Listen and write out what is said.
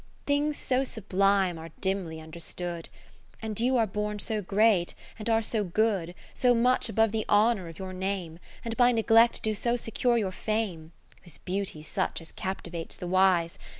Things so sublime are dimly under stood. And you are born so great, and are so good, 120 So much above the honour of your name, And by neglect do so secure your fame ; Whose beauty's such as captivates the wise.